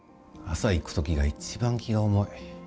朝行く時が一番気が重い。